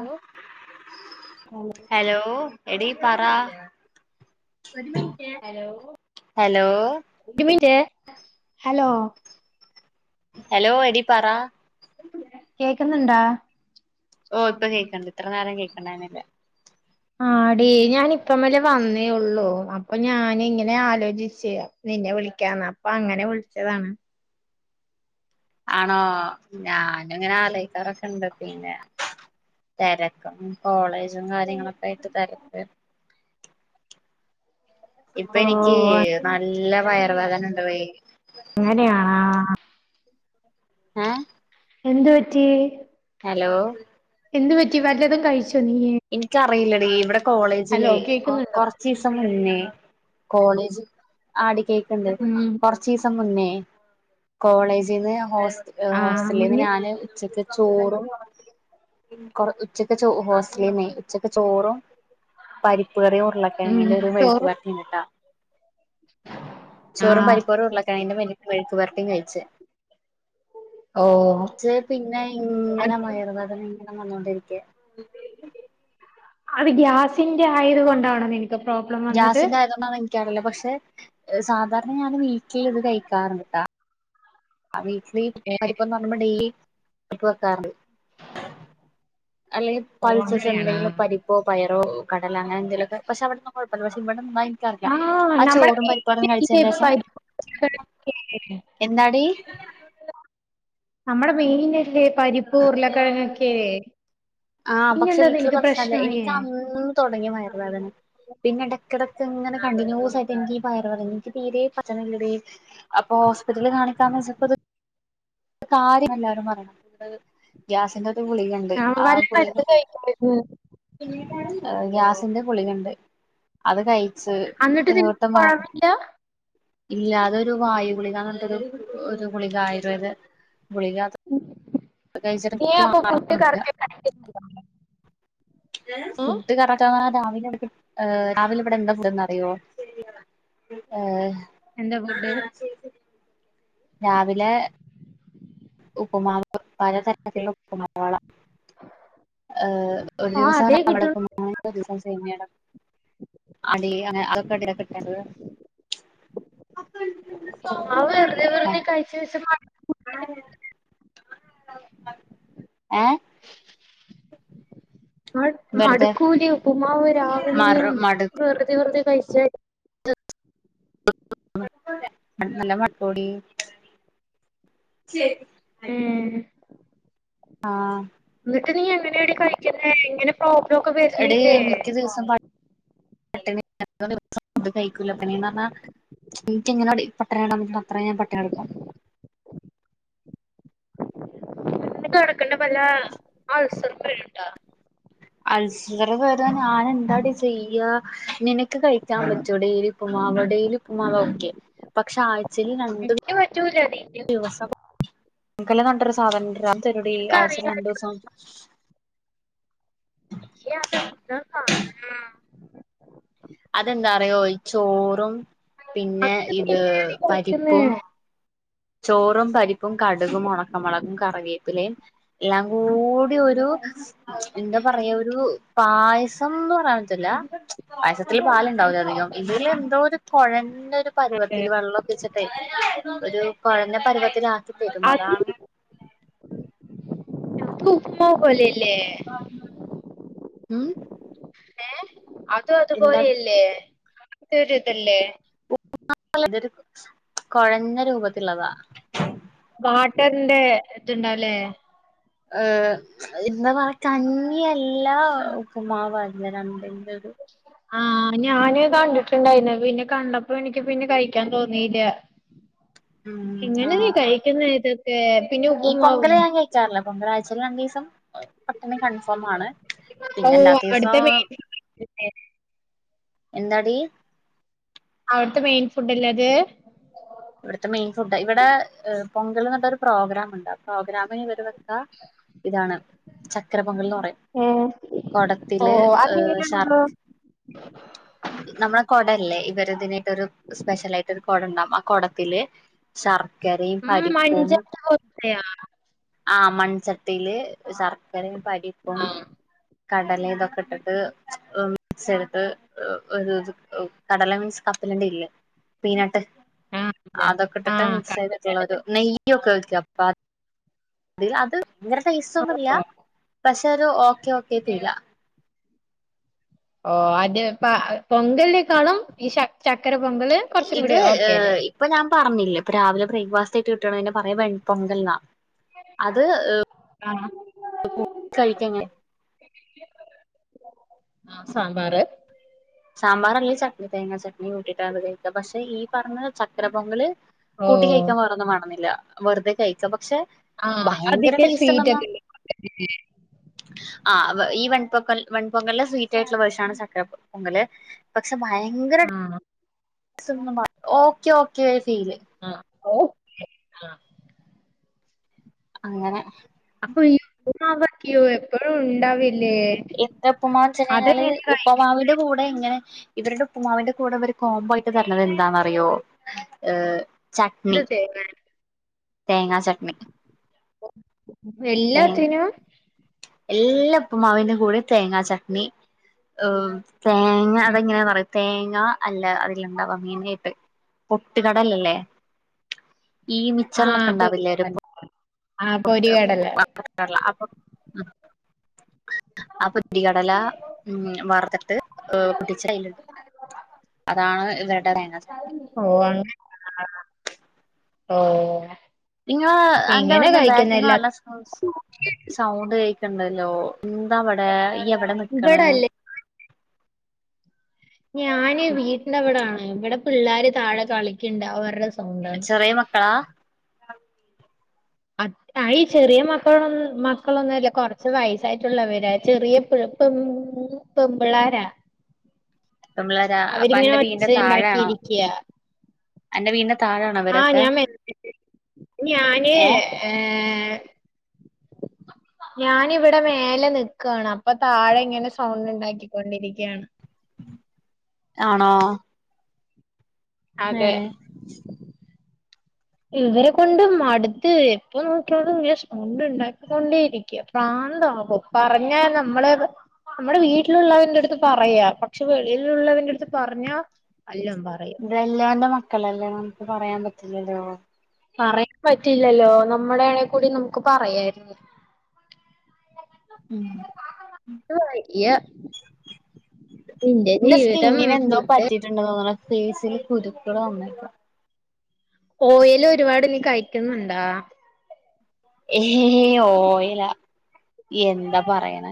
ഓ hello എടീ പറ ഒരു മിൻറ്റേ ഹലോ ഹലോ ഒരു മിനിറ്റ് ഹലോ, ഹലോ, എടി പറാ ക്ക്‌ന്ന്ണ്ടാ ഓ ഇപ്പം കേക്ക്‌ണ്ട് ഇത്ര നേരം കേ ണ്ടായ്ര്ന്നില്ല ആടി ഞാന് പ്പമ്മല് വന്നേ ഉള്ളു പ്പം ഞാനിങ്ങനെ ആലോചിച്ച് നിന്നെ വിളിക്കാന്ന് അപ്പം അങ്ങനെ വിളിച്ചതാണ് ആണോ ഞാൻ ഞാൻ ഇങ്ങനെ ആലോചിക്കാറൊക്കെണ്ട് പിന്നെ തെരക്കും കോളേജും കാര്യ ങ്ങളൊക്കെ ആയിട്ട് തെരക്ക് ഇപ്പം ഓ എനിക്ക് നല്ല ല്ല വയറുവേദന ഇണ്ട് അങ്ങനെയാണോ ആ ഏ എന്തു പറ്റി ഹലോ എന്തു പറ്റി വല്ലതും കഴിച്ച് [unintelligible] റിയില്ല ടീ ഇവിടെ കോളേജിലെ കൊറച്ചിസം മുന്നേ കോളേജ് ആടി കേക്ക് ണ്ട് കൊറച്ചിസം മുന്നേ കോളേജിന്ന് ഹോസ് ഏ ആഹ് ഹോസ്റ്റലിന്ന് മുന്നേ ഞാന് ഉച്ചക്ക് ചോറും കൊറ ഉച്ചക്ക് ചോ ഹോ [unintelligible] ഉച്ചക്ക് ചോറും പരിപ്പ് കറിയും ഉം ഉരുളക്കെഴങ്ങിന്റെ ഒരു മെഴുക്ക് ചോറ് പെരട്ടിയും ണ്ട് ട്ടോ ചോറും ആഹ് പരിപ്പ് [unintelligible] മെഴുക്കുപെരട്ടി കയിച്ച് ഓ ഞ്ച് അത് ഇങ്ങനെ [unintelligible] [unintelligible] അത് ഗ്യാസിന്റെ ആയത് കൊണ്ടാണെന്ന് എനി ഗ്യാസിന്റെ ആയതോണ്ട ഇന് ൻ കറിയൂല പക്ഷെ സാദാരണ ഞാൻ വീട്ടി [unintelligible] ഏഹ് [unintelligible] [unintelligible] ഓ അല്ലെങ്കിൽ അങ്ങനെയാണോ [unintelligible] പരിപ്പോ പയറോ കടയിൽ എന്തെകിലും ഒക്കെ സ്പെഷ്യൽ ഇപ്പൊ പക്ഷെ ഇവിടെ ഒന്നും കുഴപ്പമില്ല ഇവിടയ് - [unintelligible] ആഹ് ആ നമ്മടെ ചോറും പരിപ്പുവടയും കഴിച്ച മെയിനല്ലേ ശേഷം പരിപ്പ് ഉരുളക്കിഴങ്ങൊക്കെ എന്താടി നമ്മുടെ മീനിൻറ് എന്തിയ് പരിപ്പും ഉരിളക്കിഴങ്ങൊക്കെ ആഹ പക്ഷെ വീട്ടില് പ്രശ്നല്ലേ എനിക്ക് അന്ന് തുടങ്ങി വയറ വേദന പിന്നെ ഇടൊക്കെങ്ങനെ കണ്ടിന്യൂസ് ആയി്നിക്ക് ഈ വയർ പറഞ്ഞി- തീരെ പറ്റണില്ലടീ അപ്പൊ ഹോസ്പിറ്റലില് കാണിക്കാ വെച്ചപ്പോ കാര്യം എല്ലാരും അറയണം ഗ്യാസിന്റെ- ഗുളികുണ്ട് ആഹ് ആ വല്ല ഗുളിക മരുന്നും കഴിക്കായിരുന്നു ഗ്യാസിന്റെ പുളികണ്ട് അത് ക- എന്നന്നിട്ട് നിനക്ക് കുറവില്ല ഇല്ലാതെ ഒരു വായു ഗുളികന്ന് പറട്ടത് ഒരു ഗുളിക ആയുർവേദ- ഗുളികത- അപ്പൊ ഫുഡ് കറക്റ്റ് ഫുഡ് കറക്റ്റ് രാവില - ഏ രാവിലെ ഇവിടെ എന്താ ഫുണ്ട്ന്ന് അറിയോ ഏ എന്താ ഫുഡ്? രാവിലെ ഉപ്പ്മാവ് പലതരത്തിലുള്ള ഉപ്പുമാവുകള ഏ- ആഹ് അതേ കിട്ടുള്ളൂ [unintelligible] [unintelligible] അവര് വെറുതെ വെറുതേ കഴിചേച്ച് മാ ഏ വെറുതെ മടുക്കൂലേ ഉപ്പുമാവ് രാവിലെയും മറു മടു വെറുതേ വെറുതേ [unintelligible] [unintelligible] [unintelligible] ആ എന്നിട്ട് നീ എങ്ങനെയാടി കഴിക്കുന്നേ? എങ്ങ പ്രോബ്ലമൊക്കെ എടി വരുന്നില്ലേ? [inaudible] ദിവസവും ഫുഡ്കഴിക്കുല പിന്നെന്ന് പറഞ്ഞാ [unintelligible] ത്ര ഞാൻ പട്ടിണി കിടക്കും. [unintelligible] ക്ക്നപല്ല അൾസർ [unintelligible] അൾസറ് വരാൻ ഞാനെന്താടി ചെയ്യാ നിനക്ക് കഴിക്കാൻ വെച്ചൂടെ ഈ ഒരു ഉപ്പുമാവ് ഡെയിലി ഉപ്പുമാവ് ഓകെ പക്ഷേ ആഴ് എനിക്കു പറ്റൂല [unintelligible] [unintelligible] സാധനണ്ട് ഗ്രാം തരുടീ ആഴ്ചെ രണ്ടൂസം ആ അതെന്താറിയോ ഈ ചോർ പിന്നെ ഇത് എങ്ങനെയാണ് കളിക്കുന്നേ പരിപ്പും ചോറും, പരിപ്പും, കടുകും, ഉണക്ക മുളകും, കറിവേപ്പിലയും എല്ലാം കൂടി ഒരു എന്താ പറയാ ഒരു പായസംന്ന്പ കാണത്തില്ല. പായസത്തില് പാലുണ്ടാവില്ലേ അധികം. ഇതിലെന്തോ ഒരു കൊഴണ്ട് അത് പരുവത്തില് വെള്ളൊക്കെ ഒഴിച്ചിട്ടേ [unintelligible] കൊഴഞ്ഞ പരുവത്തിലാ [unintelligible] അത് അതാണ് ഞങ്ങക്ക് ഉപ്പുമാവ് പോലെ [unintelligible] മ്മ് അത് അത് പോലെയല്ലേ? തരുതല്ലേ [unintelligible] തൊരു കൊഴഞ്ഞ രൂപത്ത്ള്ളതാ വാട്ടർന്റെ ത്ണ്ടാവൂല്ലേ ഇന്ന് വ കഞ്ഞിയല്ല ഉപ്പുമാവ് ആയിരുന്നു രണ്ടിനും. [unintelligible] ആ ഞാന് കണ്ടിട്ടുണ്ടായിരുന്നു പിന്നെ കണ്ടപ്പോ എനിക്ക് പിന്നെ കഴിക്കാൻ തോന്നീല. ഉം എങ്ങനെ ആ കഴിക്കുന്നേ ഇത് ഏ ഈ [unintelligible] പൊങ്കളാഴ്ചയിൽ രണ്ട് ദിവസം പട്ടിണി കൺഫേം ആണ് ഓ പിന്നെ അല്ലാത്ത അവിടുത്തെ ദിവസം മെയിൻ എന്താടി? അവിടുത്തെ മെയിൻ ഫുഡ് അല്ലേ അത്? ഇവിടുത്തെ മെയിൻ ഫുഡ ഇവിടെ എ പൊങ്കൽന്ന് പറഞ്ഞിട്ടൊരു പ്രോഗ്രാം ഉണ്ട് ആ പ്രോഗ്രാമിന് വരുന്നത് ആ ഇതാണ് ചക്കര പൊങ്കൽന്ന് പറയും ഓ കൊടത്തില് അതെങ്ങനെയാണല്ലോ ശർക്ക് നമ്മടെ കൊടല്ലേ? [unintelligible] സ്പെഷ്യൽ ആയിട്ട് ഒരു കൊടം ഉണ്ടാവും ആ കൊട ത്തില് ശർക്കരയും ഉം പരിപ്പും മഞ്ചാറ് പോലത്തെയാ ആഹ് മൺചട്ടിയില് ശർക്കര പരിപ്പും. ആഹ് കടല ഇതൊക്കെ ഇട്ടിട്ട് മിക്സ് ചെയ്തിട്ട് കടല മീൻസ് കപ്പലണ്ടിയില്ലേ പീനട്ട്. ആഹ് അതെ അതൊക്കെ ഇട്ടിട്ട് ആഹ് മിക്സ് ചെയ്തിട്ടുള്ളൊരു കണ്ടിട്ടുണ്ട് നെയ്യ് ഒക്കെ ഒഴിക്കും. കാ തില് അത്‌ ഭയങ്കര ടേസ്റ്റ് ഒന്നുല്ല ഓ പക്ഷേ ഒരു ഓകെ ഓകെ ഫീലാ. ഓ അത് ഇപ്പ പൊങ്കലിലേക്ക് ആണോ ഈ ശ ശർക്കര പൊങ്കൽ കുറച്ച് കൂടി ഇത് ഓക്കേലേ ഇപ്പൊ ഞാൻ പറഞ്ഞില്ലേ രാവിലെ ബ്രേക്ക്ഫാസ്റ്റ് ആയിട്ട് കിട്ടാണേന പറയ വെൺ പൊങ്കൽന്നാ അത് ആ കഴിക്കവേ ആഹ് സാമ്പാറ് സാമ്പാർ അല്ലെങ്കി ചട്ണി തേങ്ങ ചട്ണി കൂട്ടീട്ടാ കഴിക്കാ പക്ഷേ ഈ പറഞ്ഞ ചക്കര പൊങ്കല് ഓ കൂട്ടി കഴിക്കാൻ വേറൊന്നും വാണന്നില്ല വെറുതെ കഴിക്ക പക്ഷേ ആഹ് ഭയങ്കര അതിന്റെ ടേസ്റ്റ് എന്ന് സ്വീറ്റ് പറഞ്ഞ ഒക്കെ ഇല്ലേ? ആ ഈ വൺപ്പൊക്കൽ വൺപൊങ്കൽന്റെ സ്വീറ്റ് ആയിട്ടുള്ള വേർഷൻ ആണ് ചക്കരപ്പ് പൊങ്കല് പക്ഷേ ഭയങ്കര ടേ ആഹ് ഓക്കേ ഓക്കേ തീയില് ഓ ആ അങ്ങനെ ഹയ്യോ ഈ എപ്പോഴും ഉണ്ടാവോയ്ക്കും എന്ത്‌ പ്പുമാ വെച്ച് കഴിഞ്ഞാൽ കഴിക്കുന്നത് ഉപ്പുമാവിന്റെ കൂടെ ഇങ്ങനെ ഇവരുടെ ഉപ്പുമാവിന്റെ കൂടെ ഇവര് കോമ്പോ ആയിട്ട് തരുന്നത് എന്താന്നറിയോ ഏ എന്ത് ചട്ട്നി തേങ്ങ തേങ്ങ ചട്ട്നി എല്ലാത്തിനും എല്ലാ ഉപ്പുമാവിന്റെ കൂടയും തേങ്ങ ചട്ട്നി തേങ്ങ അതെങ്ങനെന്നറിയോ തേങ്ങ ങ്ങ അല്ല അതിൽ എന്താ [unintelligible] പൊട്ടുകടല ഇല്ലേ ആ പൊരി കടല ആ പൊരികടല [unintelligible] ആ ആ പൊട്ടി കടല ഉം വറുത്തിട്ട് പൊടിച്ചതിലിട്ട് അതാണ് ഇവരുടെ തേങ്ങ ചട്ട്നി ഓ അങ്ങനെ ഓ ഇങ്ങളെ അന്റെ എങ്ങനെ അവിടന്ന് കഴിക്കുന്ന ബാക്കിൽന്ന് എല്ലാ നല്ല സൗണ്ട് കേൾക്കുന്നു ണ്ടല്ലോ എന്താ ഇവടെ ഇവടെ നിക്കണത് ഇവിടല്ലേ ഞാൻ വീട്ടിന്റെ ഇവിടെയാണ് ഇവടെ പിള്ളാര്‌ താഴെ കളിക്കിണ്ട് അവരുടെ സൗ- ചെറിയ മക്കളാ ആ ചെറിയ മക്ക മക്കൾ ഒന്നും അല്ല കുറച്ച് വയസ്സായിട്ടുള്ളവരാ ചെറിയ പി പെമ് പെമ്പിള്ളാരാ പെമ്പിള്ളാരാ അപ്പൊ അവരിങ്ങനെ അന്റെ ഒച്ച വീടിന്റെ താഴെ ആണോ ഉണ്ടാക്കിയിരിക്കയാ അന്റെ വീടിന്റെ താഴെയാണോ ആ ഇവരൊക്കെ ഞാൻ വരുന്നുണ്ട് ഞാൻ ഏ ഞാനിവിടെ മേലെ നിക്കാണ് അപ്പൊ താഴെ ഇങ്ങനെ സൗണ്ട് ഉണ്ടാക്കിക്കൊണ്ടിരിക്കയാണ് ആണോ ഏ അതെ ഇവരെ കൊണ്ട് മടുത്ത് എപ്പ നോക്കിയാലും ഇങ്ങ സൗണ്ട് ഉണ്ടാക്കിക്കൊണ്ടേ ഇരിക്കയ പ്രാന്താകും പറഞ്ഞ നമ്മള് നമ്മുടെ വീട്ടിലുള്ളവന്റെ അടുത്ത് പറയാ പക്ഷെ വെളയിലുള്ളവന്റെ അടുത്ത് പറഞ്ഞാ എല്ലാം പറയും ഇതെല്ലാണ്ട് മക്ക മക്കളല്ലേ നമുക്ക് പറയാൻ പറ്റില്ലല്ലോ പറയാൻ പറ്റില്ലല്ലോ നമ്മുടെ ആണെ കൂടി നമുക്ക് പറയാരുന്നു ഉം യ്യ ഇന്റെ ജീവിതം ഫുഡ് ഫെസില് കുരുക്കള് വന്നക്ക ഓയിലോരുപാട്നി കഴിക്കുന്നുണ്ടാ എ ഏ ഏഹ് ഓല്ല എന്താ പറയണ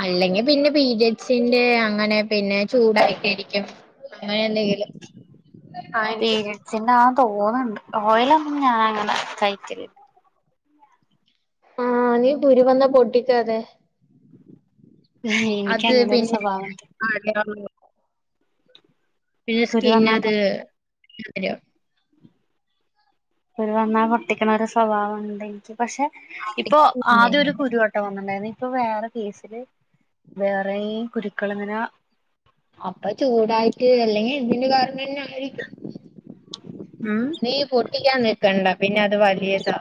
അല്ലെങ്കിൽ പിന്നെ പീരിയഡ്സിന്റെ അങ്ങനെ പിന്നെ ചൂടായിട്ടരിക്കും അങ്ങനെ എന്തെങ്കിലും ആ എനിക്ക് പീരിഡ്സ് ന്നാ തോന്നുന്നുണ്ട് ഓയലൊന്നും ഞാൻങ്ങെ കഴിക്കല ആ നീ കുരു വന്ന പൊട്ടിക്ക അതെ ഉ എനിക്ക അങ്ങനെ ഒരു പിന്നെ സ്വഭാവണ്ട് പിിനെസ്കി കുരു ഇന്ന വന്നാ അത് അ [unintelligible] കുരു വന്നാൽ പൊട്ടിക്കണ ഒരു സ്വഭാവംുണ്ട് എനിക്ക് പക്ഷെ ഇപ്പൊ ആദ്യം ഒരു കുരുവട്ട വന്നിണ്ടായിരുന്നു ഇപ്പൊ വേറെ കേസില് വേറെ കുരുക്കൾിങ്ങനെ അപ്പൊ ചൂടായിട് അല്ലേലെങ്കിൽ ഇതിന്റെ കാരണം തന്നെ ആരിക്കും ഉം നീ പൊട്ടിക്കാൻ നിക്കണ്ട പിന്നെ വല്യതാ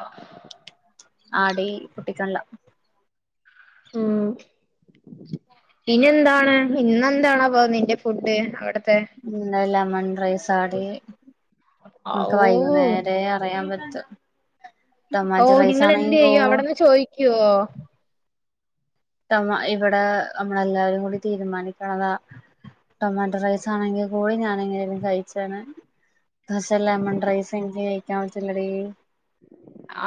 ആടി പൊട്ടികാണില്ല ഉ പിനി എന്താണ് ഇന്നെന്തണോ പോകുന്നത് നിന്റെ ഫുഡ് അവിടെ ഉം എല്ല അമൺ റൈസാടി നമക്ക് ഔ വൈകുന്നേരേ അറിയൻ പറ്റ [unintelligible] ഓ നിങ്ങളെന്തെയ്യും അവടന്ന് ചോയ്കോ നമ്മ ഇവിടെ നമ്മളെല്ലാരുംകൂടി തീരുമാനിക്കണതാ ടൊമാറ്റോ റൈസാണെങ്കി കോഴി ഞാനെങ്ങനെലും കഴിചേനെ പക്ഷെ ലെമൺ റൈസ് ഇൻക് കഴിക്കാൻ പറ്റുല്ലെടി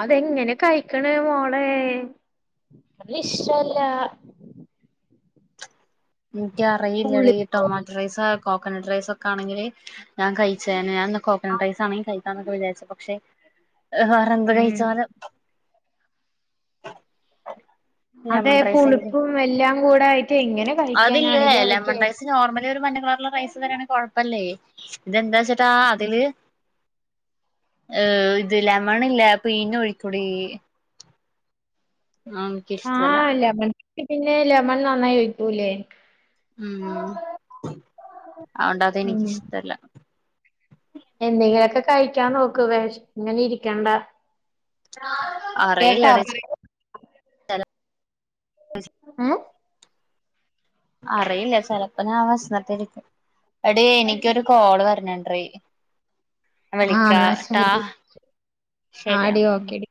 അതെങ്ങനെ കഴിക്ണ് മോളെ അതിഷ്ടല്ല ഇൻക്കറിയില്ലെടി പുളിപ്പ് ടൊമാറ്റോ റൈസാ കോകനെട്ട് റൈസൊക്കാണെങ്കില് ഞാൻ കഴിചേനെ കോകനെറ്റ് റൈസാണെങ്കി കഴി ക്കാനൊക്കെ വിചാരിച് പക്ഷെ വേറെന്ത് ഉം കഴിച്ചാലും [inaudible] അതേ ലെമൺ റൈസ് എനിക്ക് പുളിപ്പും എല്ലാം കൂടായ്ട്ടെ അതില്ലേ ലെമൺറൈസ് നോർമൽ ൽ മഞ്ഞ കളർല്ള്ള റൈസ് തെന്നേണെങ്കി കൊഴപ്പല്ലൈ ഇതെന്താച്ച്ട്ടാ അതില് ഏ ലെമണില്ലേ പീഞ്ഞൊഴിക്കൊടീ അതൊന്നും ഇക്കിഷ്ടല്ല ക്ക് പിന്നെ ലെമൺ നന്നായി ഒയ്ക്കൂല്ലേ ഉം ഉം അഓണ്ടതെനിക്കിഷ്ട്ടല്ല എന്തെങ്കിലൊക്കെ കഴിക്കാൻ നോക്ക് വെഷ്ന്ങ്ങനിരിക്കണ്ട അറിയില്ലെടി ചെല ഉം അറിയില്ല ചെലപ്പ ഞാൻ വെഷ്നിട്ടിരിക്കും എടീ എനിക്കൊരു കാൾ വര്ന്ന്ഡ്രി ആഹ് എന്നാ വിളിക്കാട്ട ശരി ആടി ശെരിയെമ് ഉം ഓക്കെടി.